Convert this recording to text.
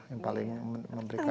yang paling memberikan